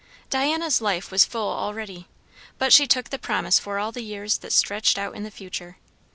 Diana's life was full already; but she took the promise for all the years that stretched out in the future.